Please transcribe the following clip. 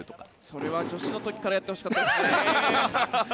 それは女子の時からやってほしかったですね。